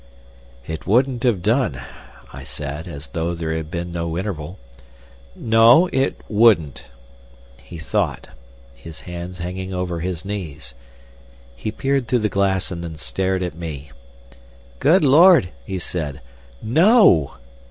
"It wouldn't have done," I said, as though there had been no interval. "No! it wouldn't." He thought, his hands hanging over his knees. He peered through the glass and then stared at me. "Good Lord!" he said. "_No!